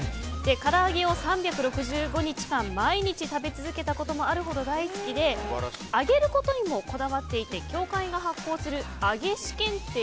唐揚げを３６５日間毎日食べ続けたこともあるほど大好きで揚げることにもこだわっていて協会が発行する揚師検定